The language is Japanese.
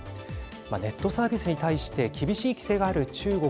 ネットサービスに対して厳しい規制がある中国。